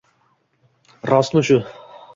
Rostmi shu?..